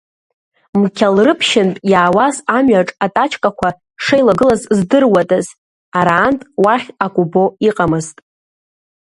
Мқьалрыԥшьынтә иаауаз амҩаҿ атачкақәа шеилагылаз здыруадаз, араантә уахь ак убо иҟамызт.